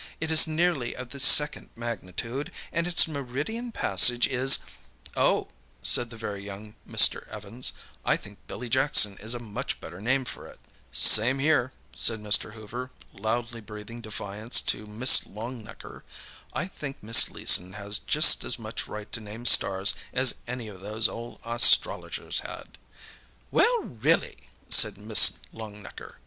It is nearly of the second magnitude, and its meridian passage is—" "Oh," said the very young Mr. Evans, "I think Billy Jackson is a much better name for it." "Same here," said Mr. Hoover, loudly breathing defiance to Miss Longnecker. "I think Miss Leeson has just as much right to name stars as any of those old astrologers had." "Well, really!" said Miss Longnecker.